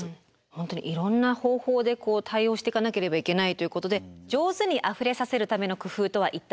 本当にいろんな方法で対応していかなければいけないということで上手にあふれさせるための工夫とは一体何でしょうか。